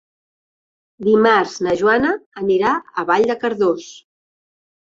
Dimarts na Joana anirà a Vall de Cardós.